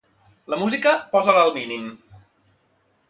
La música posa-la al mínim.